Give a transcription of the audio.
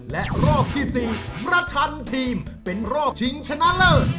และรอบที่๔ประชันทีมเป็นรอบชิงชนะเลิศ